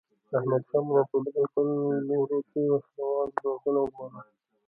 احمدشاه بابا په درې ګونو لورو کې وسله وال ځواکونه وګمارل.